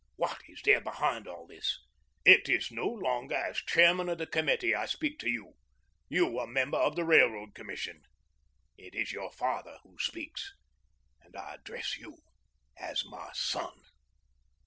What is there behind all this? It is no longer as Chairman of the Committee I speak to you, you a member of the Railroad Commission. It is your father who speaks, and I address you as my son.